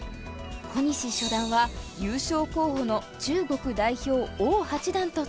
小西初段は優勝候補の中国代表王八段と対戦です。